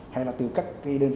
hay là từ các cái đơn vị